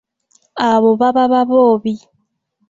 Abo baba Baboobi.